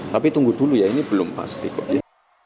tapi tunggu dulu ya ini belum pasti kok ya